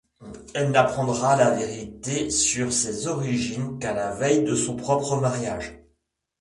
Elle n'apprendra la vérité sur ses origines qu'à la veille de son propre mariage.